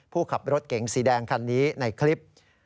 ขับรถเก๋งสีแดงคันนี้ในคลิป